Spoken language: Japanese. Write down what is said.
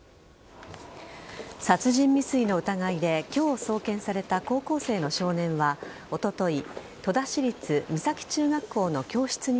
殺人未遂の疑いで今日送検された高校生の少年はおととい戸田市立